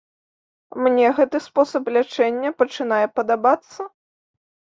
Мне гэты спосаб лячэння пачынае падабацца.